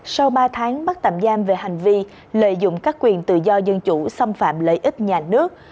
sau ba tháng bắt tạm giam về hành vi lợi dụng các quyền tự do dân chủ xâm phạm lợi ích nhà nước